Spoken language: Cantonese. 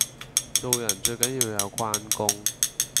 做人最緊要有關公